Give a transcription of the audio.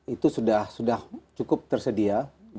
itu sudah cukup tersedia